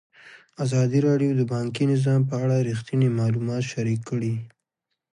ازادي راډیو د بانکي نظام په اړه رښتیني معلومات شریک کړي.